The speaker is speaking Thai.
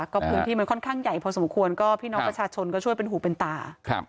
กระภงที่มันค่อนข้างใหญ่พอสมควรพี่น้องประชาชนก็ช่วยผิวเป็นตา